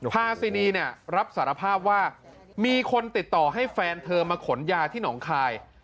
พาซินีเนี่ยรับสารภาพว่ามีคนติดต่อให้แฟนเธอมาขนยาที่หนองคาย